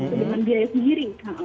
itu dengan biaya sendiri